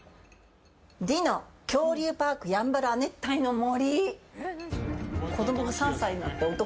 ＤＩＮＯ恐竜パークやんばる亜熱帯の森。